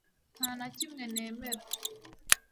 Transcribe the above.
Nta na kimwe nemera